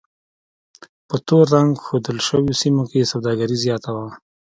په تور رنګ ښودل شویو سیمو کې سوداګري زیاته وه.